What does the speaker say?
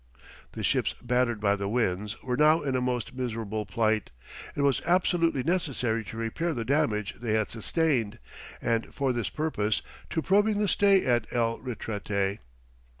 The ships battered by the winds, were now in a most miserable plight; it was absolutely necessary to repair the damage they had sustained, and for this purpose to prolong the stay at El Retrete.